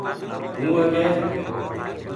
ہوں اگے